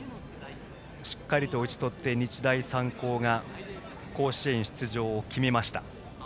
しっかりと打ち取って日大三高が甲子園出場を決めました。